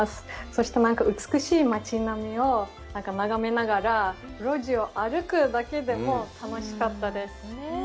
そして、美しい街並みを眺めながら路地を歩くだけでも楽しかったです。